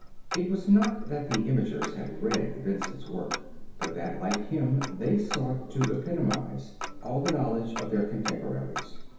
It was not that the imagers had read Vincent's work; but that, like him, they sought to epitomise all the knowledge of their contemporaries.